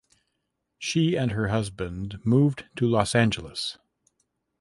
She and her husband moved to Los Angeles.